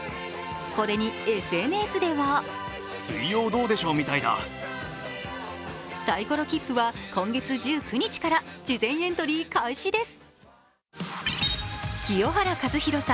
これにＳＮＳではサイコロきっぷは今月２９日から事前エントリー開始です。